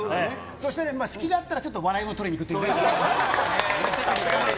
そしてね、隙があったらちょっと笑いを取りにいくというね。